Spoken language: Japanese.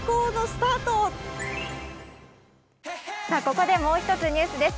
ここでもう一つニュースです。